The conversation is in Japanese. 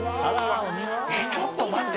ちょっと待って。